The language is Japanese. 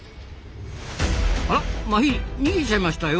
あらマヒリ逃げちゃいましたよ。